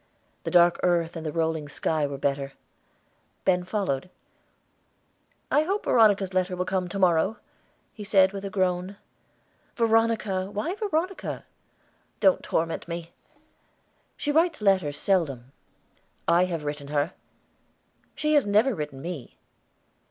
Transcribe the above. The dark earth and the rolling sky were better. Ben followed. "I hope Veronica's letter will come to morrow," he said with a groan. "Veronica! Why Veronica?" "Don't torment me." "She writes letters seldom." "I have written her." "She has never written me."